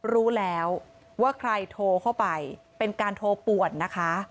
รู้แล้วว่าใครโทรเข้าไปเป็นการโทรป่วนนะคะ